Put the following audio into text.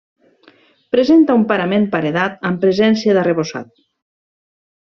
Presenta un parament paredat amb presència d'arrebossat.